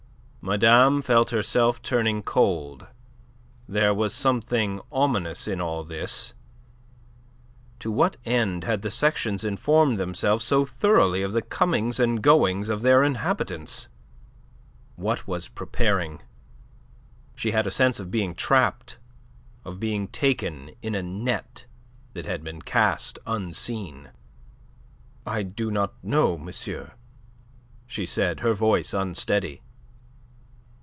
Madame felt herself turning cold. There was something ominous in all this. To what end had the sections informed themselves so thoroughly of the comings and goings of their inhabitants? What was preparing? She had a sense of being trapped, of being taken in a net that had been cast unseen. "I do not know, monsieur," she said, her voice unsteady.